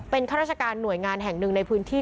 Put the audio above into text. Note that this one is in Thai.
ข้าราชการหน่วยงานแห่งหนึ่งในพื้นที่